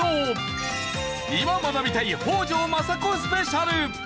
今学びたい北条政子スペシャル！